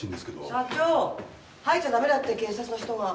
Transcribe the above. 社長入っちゃ駄目だって警察の人が。